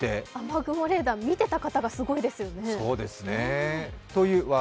雨雲レーダー見ていた方がすごいですよね。